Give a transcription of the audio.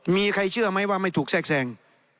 มีใครเชื่อไหมว่าไม่ถูกแทรกแทรง